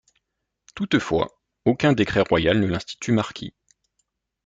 Toutefois, aucun décret royal ne l’institue marquis.